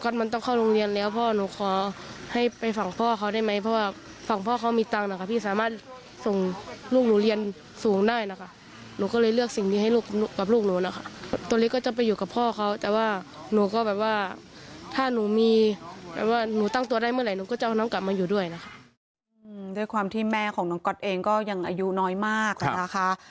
ด้วยความที่แม่ของน้องก๊อตเองก็ยังอายุน้อยมากนะคะ